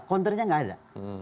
counternya nggak ada